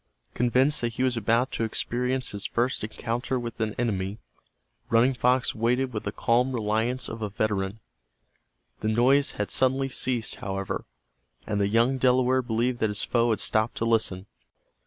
Convinced that he was about to experience his first encounter with an enemy, Running Fox waited with the calm reliance of a veteran. The noise had suddenly ceased, however, and the young Delaware believed that his foe had stopped to listen.